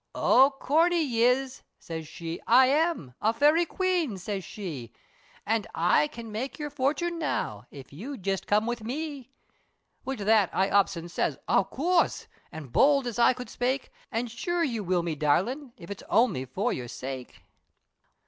"O Corney yis," siz she, "I am, A Fairy Queen;" siz she, "An' I can make yer fortune now, If you'll just come with me." Wid that, I ups and says "of coorse!" As bowld as I could spake, "An' sure I will me darlin', if Its only for your sake."